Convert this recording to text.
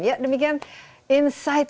ya demikian insight